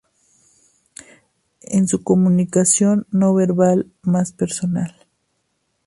Es su comunicación no verbal más personal.